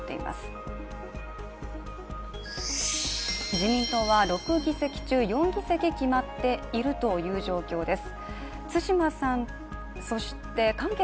自民党は６議席中４議席決まっているという状況です。